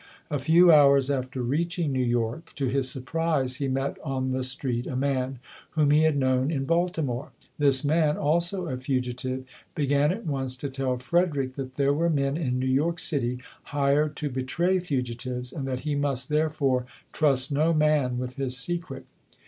A few hours after reaching New York, to his surprise he met on the street a man whom he had known in Balti more. This man, also a fugitive, began at once to tell Frederick that there were men in New York City hired to betray fugitives and that he must therefore trust no man with his secret.